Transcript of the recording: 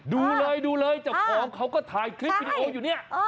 ดูเลยดูเลยเจ้าของเขาก็ถ่ายคลิปวิดีโออยู่เนี่ย